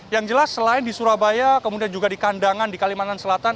yang jelas selain di surabaya kemudian juga di kandangan di kalimantan selatan